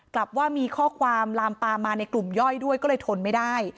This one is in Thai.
กลับว่ามีข้อความลามปามมาในกลุ่มย่อยด้วยก็เลยทนไม่ได้